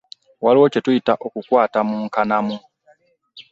Waliwo kye tuyita okukwata mu nkanamu